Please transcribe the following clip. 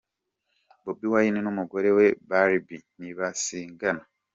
Bobi wine n'umugore we Barbie ntibasigana.